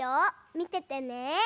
みててね。